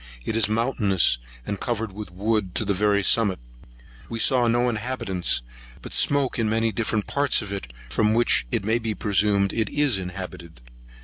It is mountainous, and covered with wood to the very summit. We saw no inhabitants, but smoke in many different parts of it, from which it may be presumed it is inhabited.